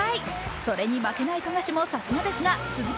それに負けない富樫もさすがですが続く